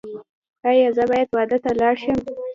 ایا زه باید واده ته لاړ شم؟